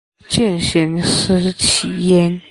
见贤思齐焉